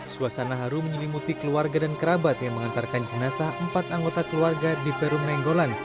suasana haru menyelimuti keluarga dan kerabat yang mengantarkan jenazah empat anggota keluarga di perum nainggolan